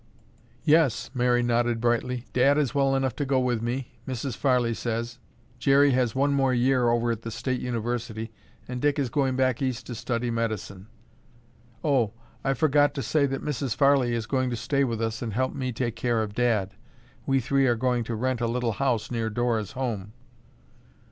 "Yes," Mary nodded brightly. "Dad is well enough to go with me, Mrs. Farley says. Jerry has one more year over at the State University and Dick is going back East to study medicine. Oh, I forgot to say that Mrs. Farley is going to stay with us and help me take care of Dad. We three are going to rent a little house near Dora's home."